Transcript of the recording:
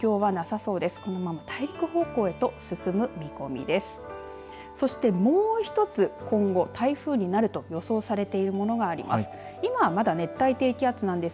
そしてもう１つ、今後台風になると予想されているものがあります。